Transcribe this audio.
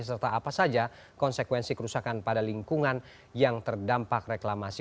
serta apa saja konsekuensi kerusakan pada lingkungan yang terdampak reklamasi